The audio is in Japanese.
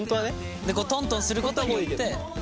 トントンすることによって。